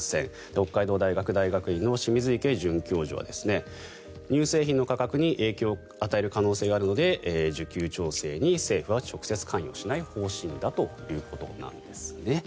北海道大学大学院の清水池准教授は乳製品の価格に影響を与える可能性があるので需給調整に政府は直接関与しない方針だということなんですね。